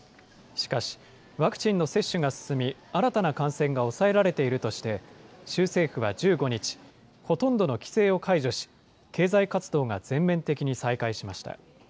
しかし、ワクチンの接種が進み、新たな感染が抑えられているとして、州政府は１５日、ほとんどの規制を解除し、経済活動が全面的に再開しました。